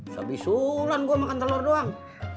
habis sulan gue makan telur doang